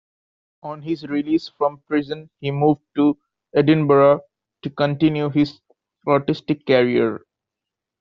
On his release from prison he moved to Edinburgh to continue his artistic career.